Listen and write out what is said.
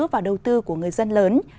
và đầu tư của người dân lớn